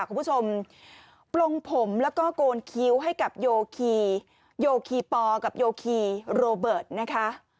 คุณผู้ชมปลงผมแล้วก็โกนคิ้วให้กับโยคีโยคีปอกับโยคีโรเบิร์ตนะคะ